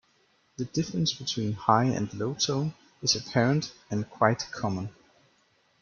The difference between high and low tone is apparent and quite common.